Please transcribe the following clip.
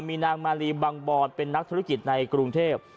มีนางมาลีบังบอนเป็นนักธุรกิจในกรุงเทพ